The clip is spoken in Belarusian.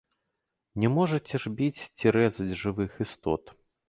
Не можаце ж біць ці рэзаць жывых істот.